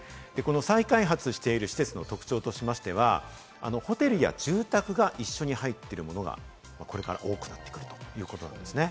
再開発している施設の特徴としましては、ホテルや住宅が一緒に入ってるものがこれから多くなっていくということですね。